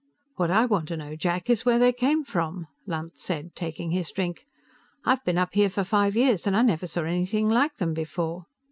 "What I want to know, Jack, is where they came from," Lunt said, taking his drink. "I've been up here for five years, and I never saw anything like them before."